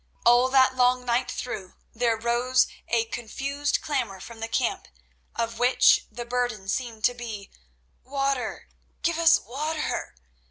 All that long night through there arose a confused clamour from the camp, of which the burden seemed to be, "Water! Give us water!"